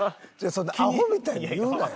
そんなアホみたいに言うなよ！